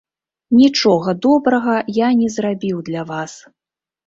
Нічога добрага я не зрабіў для вас.